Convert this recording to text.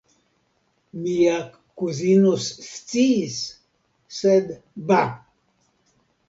Mia kuzino sciis, sed ba!